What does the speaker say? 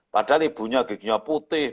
padahal ibunya giginya putih